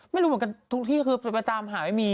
ไม่รู้เหมือนกันทุกที่คือไปตามหาไม่มี